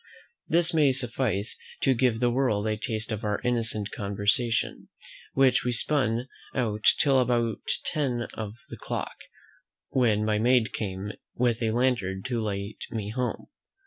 This may suffice to give the world a taste of our innocent conversation, which we spun out till about ten of the clock, when my maid came with a lantern to light me home.